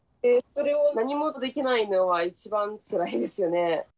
何もできないのは一番つらいですよね。